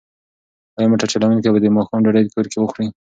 ایا موټر چلونکی به د ماښام ډوډۍ کور کې وخوري؟